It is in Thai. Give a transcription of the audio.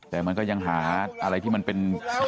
แต่มันก็ยังหาอะไรที่มันเป็น